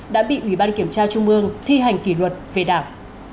đã bị ủy ban kiểm tra trung ương thi hành kỷ luật về đảng